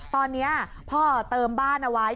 ตอนนี้พ่อเติมบ้านเอาไว้